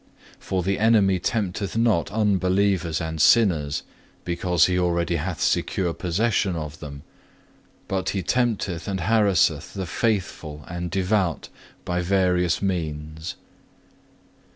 For the enemy tempteth not unbelievers and sinners, because he already hath secure possession of them; but he tempteth and harasseth the faithful and devout by various means.